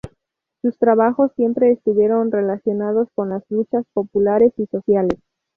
Sus trabajos siempre estuvieron relacionados con las luchas populares y sociales.